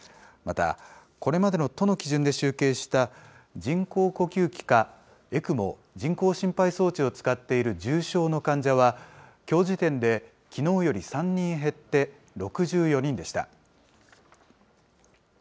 また、これまでの都の基準で集計した、人工呼吸器か、ＥＣＭＯ・人工心肺装置を使っている重症の患者は、きょう時点できのうより３人減って６４人でした。